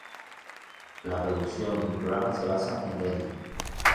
La producción del programa se basa en Delhi.